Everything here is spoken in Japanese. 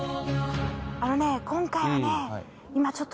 あのね今回はねほら。